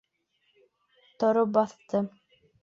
Тороп баҫты.